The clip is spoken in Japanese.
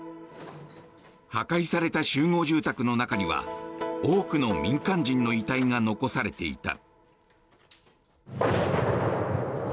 破壊された集合住宅の中には多くの民間人の遺体が残されていた。